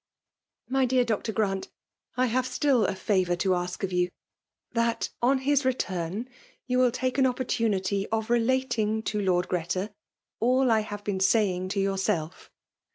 my dear Dr. Grant, I have still a favour to ask of you ; that, on his re* turn, you will take an opportunity of relating to Lord Greta all I have been saying to your^ self.